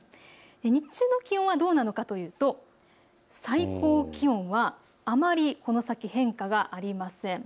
日中の気温はどうなのかというと最高気温はあまりこの先、変化はありません。